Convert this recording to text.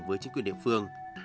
với chính quyền địa phương